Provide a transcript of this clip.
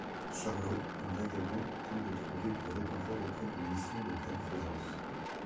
Charlot, un vagabond, tente de trouver du réconfort auprès d'une mission de bienfaisance.